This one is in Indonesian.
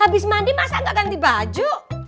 habis mandi masa nggak ganti baju